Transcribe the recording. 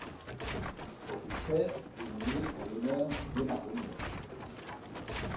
Cette espèce est nommée en l'honneur d'Einar Lönnberg.